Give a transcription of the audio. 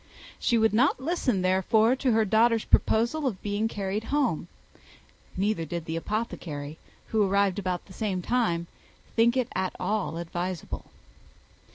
She would not listen, therefore, to her daughter's proposal of being carried home; neither did the apothecary, who arrived about the same time, think it at all advisable.